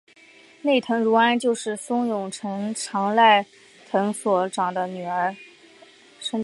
内藤如安就是松永长赖与内藤国贞的女儿所生的儿子。